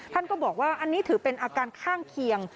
ท่านก็บอกว่าอันนี้ถือเป็นอาการข้างเคียง